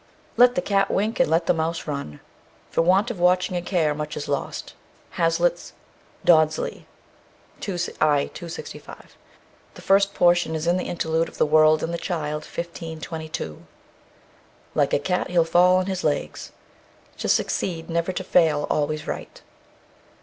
Let the cat wink, and let the mouse run. For want of watching and care much is lost. HAZLITT'S "Dodsley," i. 265. The first portion is in the interlude of "The World and the Child," 1522. Like a cat he'll fall on his legs. To succeed, never to fail, always right.